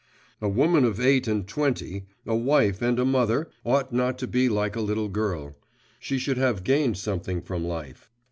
A woman of eight and twenty, a wife and a mother, ought not to be like a little girl; she should have gained something from life.